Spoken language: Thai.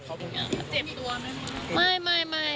เจ็บตัวไหม